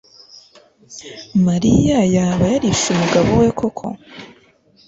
Mariya yaba yarishe umugabo we koko